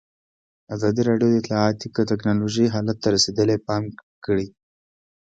ازادي راډیو د اطلاعاتی تکنالوژي حالت ته رسېدلي پام کړی.